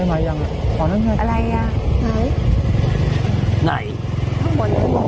มะนาว